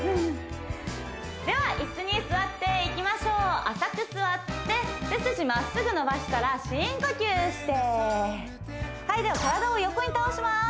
では椅子に座っていきましょう浅く座って背筋まっすぐ伸ばしたら深呼吸してはいでは体を横に倒します